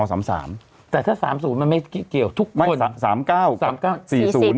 แต่ถ้า๓๐มันไม่เกี่ยวทุกคน